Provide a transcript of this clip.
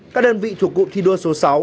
các đơn vị thuộc cụ thi đua số sáu